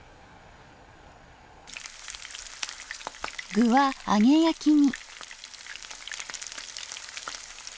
具は揚げ焼きに。